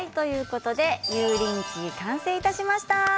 油淋鶏、完成いたしました。